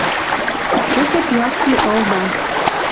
«Кӹзӹт якте ылда